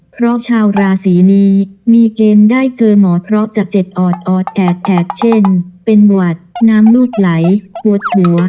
เพราะชาวราศีนี้มีเกณฑ์ได้เจอหมอเพราะจะเจ็บออดออดแอดแอดเช่นเป็นหวัดน้ำลูกไหลปวดหัว